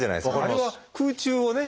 あれは空中をね